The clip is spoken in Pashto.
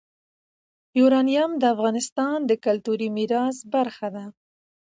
یورانیم د افغانستان د کلتوري میراث برخه ده.